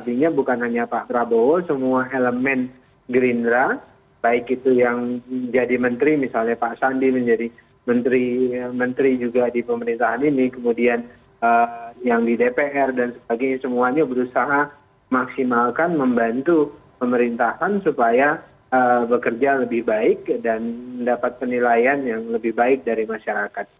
artinya bukan hanya pak prabowo semua elemen gerindra baik itu yang jadi menteri misalnya pak sandi menjadi menteri juga di pemerintahan ini kemudian yang di dpr dan sebagainya semuanya berusaha maksimalkan membantu pemerintahan supaya bekerja lebih baik dan mendapat penilaian yang lebih baik dari masyarakat